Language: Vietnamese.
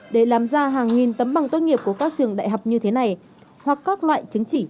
để làm ra hàng nghìn tấm bằng tốt nghiệp của các trường đại học như thế này hoặc các loại chứng chỉ